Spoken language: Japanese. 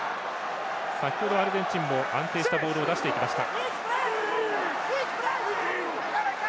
先ほどはアルゼンチンも安定したボールを出していきました。